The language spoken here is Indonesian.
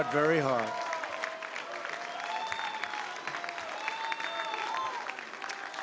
dia berjuang dengan sangat kuat